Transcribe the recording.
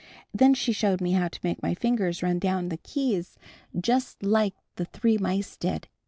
Then she showed me how to make my fingers run down the keys just like the three mice did.